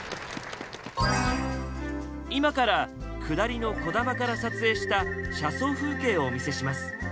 今から下りのこだまから撮影した車窓風景をお見せします。